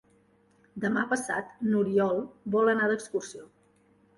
Demà passat n'Oriol vol anar d'excursió.